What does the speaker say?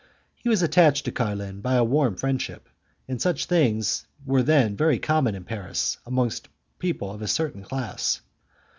He was attached to Carlin by a warm friendship, and such things were then very common in Paris amongst people of a certain class.